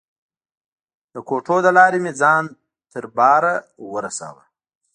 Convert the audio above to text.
د کوټو له لارې مې ځان تر باره ورساوه.